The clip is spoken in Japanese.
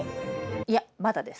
いやまだです。